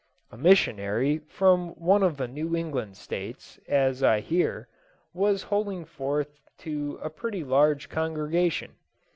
A missionary, from one of the New England States, as I hear, was holding forth to a pretty large congregation.